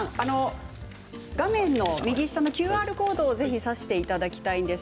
画面の右下のＱＲコードをぜひ指していただきたいです